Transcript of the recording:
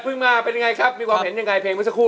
มาเป็นยังไงครับมีความเห็นยังไงเพลงเมื่อสักครู่